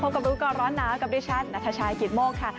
สวัสดีค่ะพบกับวิวก่อนร้อนหนาวคือกับดิริชันณฑชัยกิทโมกค่ะ